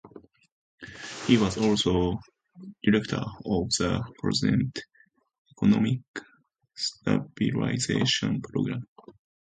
He was also director of the President's Economic Stabilization Program.